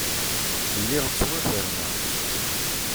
Lliɣ ttwaferneɣ-d.